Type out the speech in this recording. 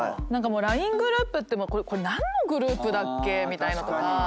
何かもうＬＩＮＥグループってこれ何のグループだっけ？みたいのとか。